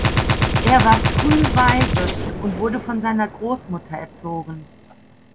Er war früh Waise und wurde von seiner Großmutter erzogen.